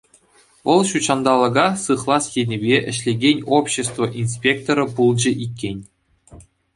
Вӑл ҫутҫанталӑка сыхлас енӗпе ӗҫлекен общество инспекторӗ пулчӗ иккен.